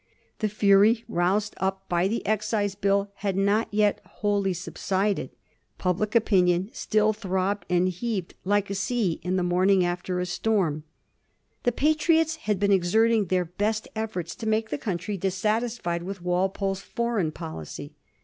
The fury roused up by the Excise Bill had not yet wiiolly subsided. Public opinion still throbbed and heaved like a sea the morning after a storm. 1V34. THE PATRIOTS. H The Patriots had been exerting their best efforts to make the country dissatisfied with Walpole's foreign policy.